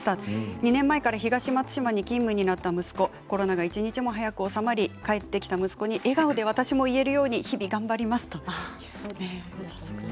２年前から東松島に勤務になった息子コロナが早く収まり帰ってきた息子に笑顔で言えるように私も頑張りますということです。